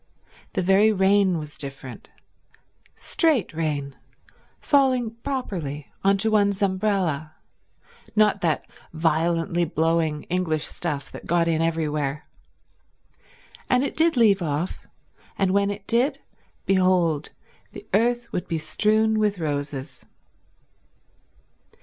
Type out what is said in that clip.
The very rain was different— straight rain, falling properly on to one's umbrella; not that violently blowing English stuff that got in everywhere. And it did leave off; and when it did, behold the earth would be strewn with roses.